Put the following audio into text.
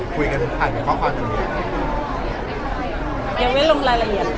ฟัยกับเราก่อนหน้า